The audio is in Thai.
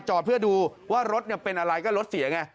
จอดเพื่อดูว่ารถเป็นอะไรก็รถเสียไง